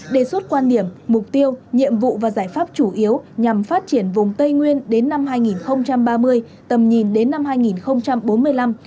đề xuất quan điểm mục tiêu nhiệm vụ và giải pháp chủ yếu nhằm phát triển vùng tây nguyên đến năm hai nghìn ba mươi tầm nhìn đến năm hai nghìn bốn mươi năm